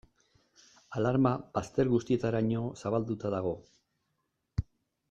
Alarma bazter guztietaraino zabalduta dago.